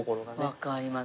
わかります。